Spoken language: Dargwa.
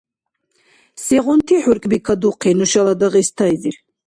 Сегъунти хӀуркӀби кадухъи нушала Дагъистайзир?